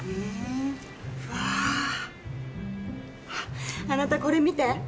わぁあなたこれ見て。